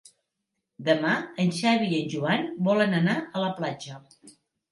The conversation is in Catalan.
Demà en Xavi i en Joan volen anar a la platja.